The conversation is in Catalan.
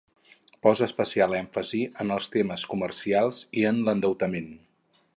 Posa especial èmfasi en els temes comercials i en l'endeutament.